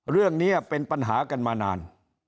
เรื่องนี้เป็นปัญหากันมานาน